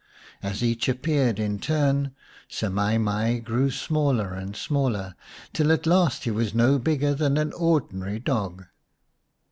As each appeared in turn Semai mai grew smaller and smaller, till at last he was no bigger than an ordinary dog.